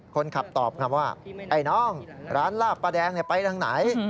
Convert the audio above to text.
คนขับตอบคำว่าไอ้น้องร้านลาบปลาแดงไปทางไหน